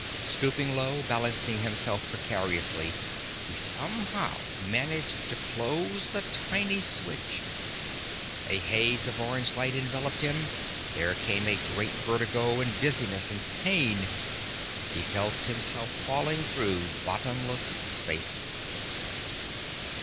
Stooping low, balancing himself precariously, he somehow managed to close the tiny switch. A haze of orange light enveloped him, there came a great vertigo and dizziness and pain, he felt himself falling through bottomless spaces....